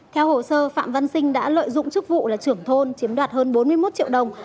theo hồ sơ phạm văn sinh đã lợi dụng chức vụ là trưởng thôn chiếm đoạt hơn bốn mươi một triệu đồng